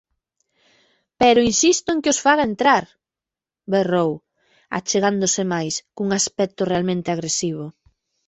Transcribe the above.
Pero insisto en que os faga entrar! —berrou, achegándose máis, cun aspecto realmente agresivo.